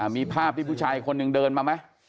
มีภาพที่ผู้ชายคนหนึ่งเดินมาไหม